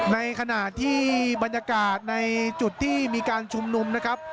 ในขณะที่บรรยากาศในจุดที่มีการชุมนุมนะครับ